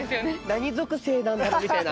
何属性なんだろう？みたいな。